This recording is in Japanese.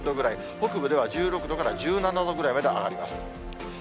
北部では１６度から１７度ぐらいまで上がります。